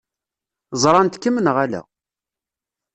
Ẓṛant-kem neɣ ala?